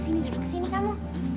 sini sini jangan kesini kamu